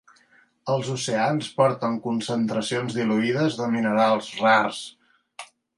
Els oceans porten concentracions diluïdes de minerals rars.